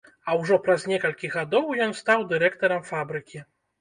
А ўжо праз некалькі гадоў ён стаў дырэктарам фабрыкі.